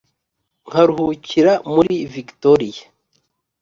nkaruhukira muri victoria